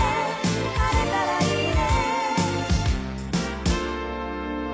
「晴れたらいいね」